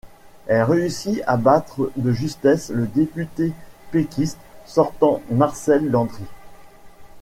Elle réussit à battre de justesse le député péquiste sortant Marcel Landry.